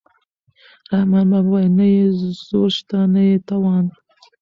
رحمان بابا وايي نه یې زور شته نه یې توان.